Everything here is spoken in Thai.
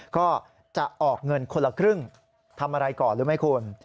ก็จะออกเงินคนละครึ่งทำอะไรก่อนรู้ไหมคุณ